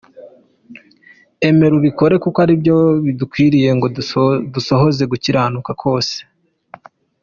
Emera ubikore, kuko ari byo bidukwiriye ngo dusohoze gukiranuka kose